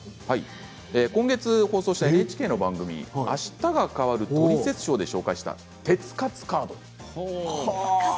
今月放送したＮＨＫの番組「あしたが変わるトリセツショー」で紹介した鉄活カード。